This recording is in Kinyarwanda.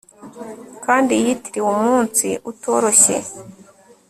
Kandi yitiriwe umunsi utoroshye